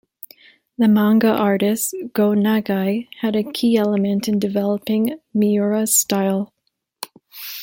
The manga artist Go Nagai had a key element in developing Miura's style.